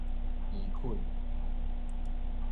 移墾